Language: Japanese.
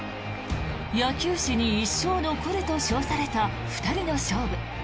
野球史に一生残ると称された２人の勝負。